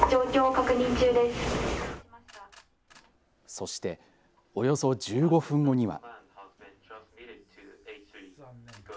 そしておよそ１５分後には。